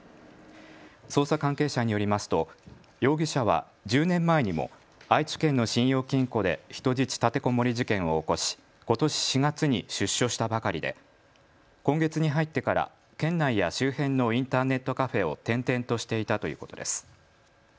捜査関係者によりますと、容疑者は１０年前にも愛知県の信用金庫で人質立てこもり事件を起こしことし４月に出所したばかりで今月に入ってから県内や周辺のインターネットカフェを転々としていたということです。